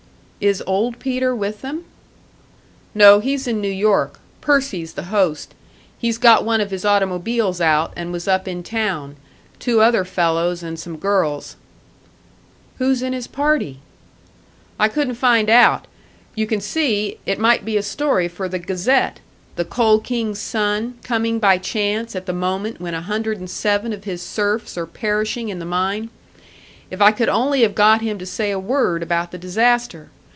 "Is Old Peter with them?" "No, he's in New York. Percy's the host. He's got one of his automobiles out, and was up in town two other fellows and some girls." "Who's in his party?" "I couldn't find out. You can see, it might be a story for the Gazette the Coal King's son, coming by chance at the moment when a hundred and seven of his serfs are perishing in the mine! If I could only have got him to say a word about the disaster!